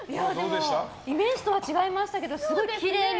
イメージとは違いましたけどすごいきれいに